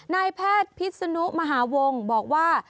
นายแพทย์พิษนุมหาวงบอกว่า